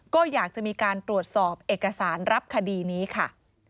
ก็อยากจะมีการตรวจสอบเอกสารรับคดีนี้ค่ะ